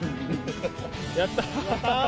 やった！